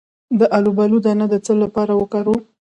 د الوبالو دانه د څه لپاره وکاروم؟